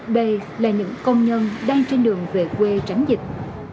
b là những công nhân đang trên đường về quê tránh dịch